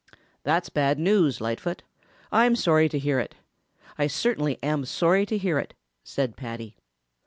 "That's bad news, Lightfoot. I'm sorry to hear it. I certainly am sorry to hear it," said Paddy.